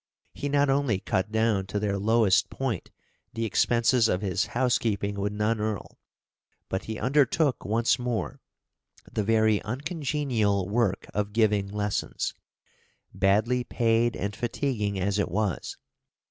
He not only cut down to their lowest point the expenses of his housekeeping with Nannerl, but he undertook once more "the very uncongenial work of giving lessons," badly paid and fatiguing as it was.